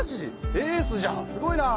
エースじゃんすごいなぁ！